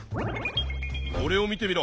おれを見てみろ。